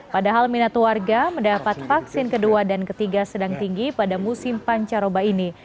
padahal minat warga mendapat vaksin kedua dan ketiga sedang tinggi pada musim pancaroba ini